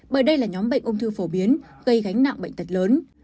bởi đây là nhóm bệnh ung thư phổ biến gây gánh nặng bệnh tật lớn